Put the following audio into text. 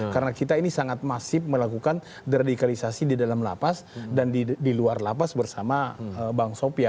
karena kita ini sangat masif melakukan deradikalisasi di dalam lapas dan di luar lapas bersama bang sofyan